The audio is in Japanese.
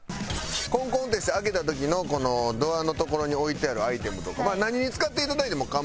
コンコンってして開けた時のこのドアの所に置いてあるアイテムとか何に使っていただいても構いません。